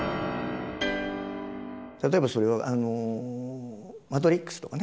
例えばそれは「マトリックス」とかね